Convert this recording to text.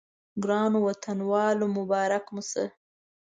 ګرانو وطنوالو مبارک مو شه.